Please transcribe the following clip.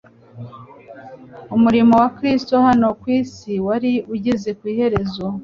Umurimo wa Kristo hano ku isi wari ugeze ku iherezo.